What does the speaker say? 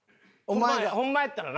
ホンマやったらな。